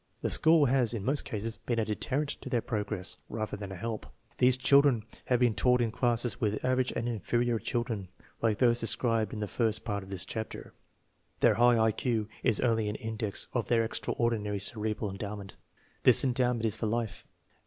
The school has in most cases been a deterrent to their progress, rather than a help. These children have been taught in classes with average and inferior children, like those described in the first part of this chapter. Their high I Q is only an index of their extraordinary cerebral endowment. This endowment is for life.